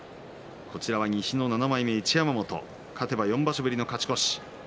西の７枚目一山本勝てば４場所ぶりの勝ち越し。